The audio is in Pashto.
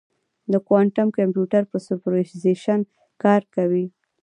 د کوانټم کمپیوټر په سوپرپوزیشن کار کوي.